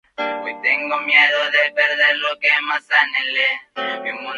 Estas cuatro fachadas rodean al patio interior.